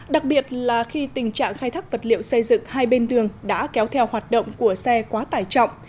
đặc biệt là khi tình trạng khai thác vật liệu xây dựng hai bên đường đã kéo theo hoạt động của xe quá tải trọng